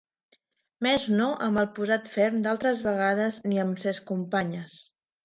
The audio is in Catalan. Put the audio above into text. Mes no amb el posat ferm d'altres vegades ni amb ses companyes.